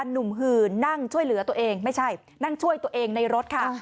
หื่นนั่งช่วยเหลือตัวเองไม่ใช่นั่งช่วยตัวเองในรถค่ะ